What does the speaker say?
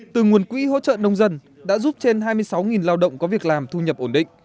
từ nguồn quỹ hỗ trợ nông dân đã giúp trên hai mươi sáu lao động có việc làm thu nhập ổn định